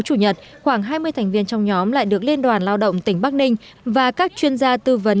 chủ nhật khoảng hai mươi thành viên trong nhóm lại được liên đoàn lao động tỉnh bắc ninh và các chuyên gia tư vấn